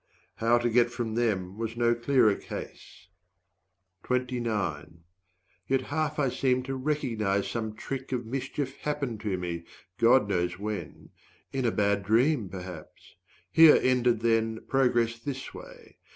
How to get from them was no clearer case. Yet half I seemed to recognize some trick Of mischief happened to me, God knows when 170 In a bad dream perhaps. Here ended, then, Progress this way.